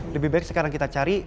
lebih baik sekarang kita cari